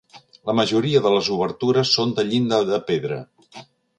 La majoria de les obertures són de llinda de pedra.